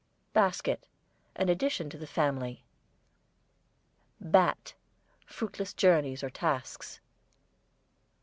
BASKET, an addition to the family. BAT, fruitless journeys or tasks.